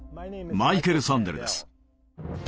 マイケル・サンデルです。